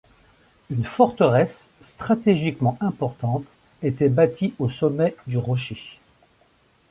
Une forteresse stratégiquement importante était bâtie au sommet du Rocher.